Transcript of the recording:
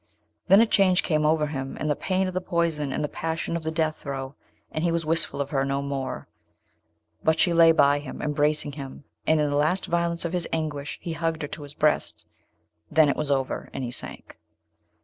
Then a change came over him, and the pain of the poison and the passion of the death throe, and he was wistful of her no more; but she lay by him, embracing him, and in the last violence of his anguish he hugged her to his breast. Then it was over, and he sank.